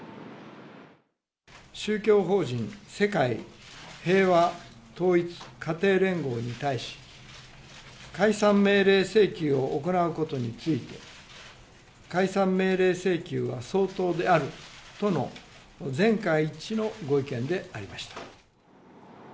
宗教法人世界平和統一家庭連合に対し、解散命令請求を行うことについて、解散命令請求は相当であるとの全会一致のご意見でありました。